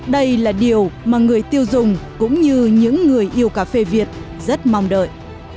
đây là điều mà người tiêu dùng cũng như những người yêu cà phê việt rất mong đợi